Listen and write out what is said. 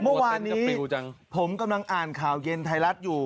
เมื่อวานนี้ผมกำลังอ่านข่าวเย็นไทยรัฐอยู่